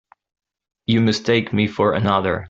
You mistake me for another.